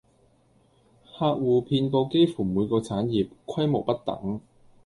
客戶遍佈幾乎每個產業，規模不等